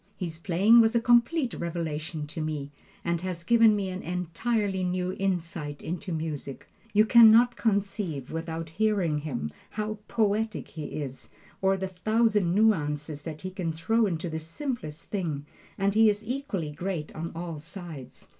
His playing was a complete revelation to me, and has given me an entirely new insight into music. You can not conceive, without hearing him, how poetic he is, or the thousand nuances that he can throw into the simplest thing, and he is equally great on all sides.